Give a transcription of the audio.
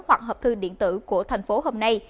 hoặc hợp thư điện tử của thành phố hôm nay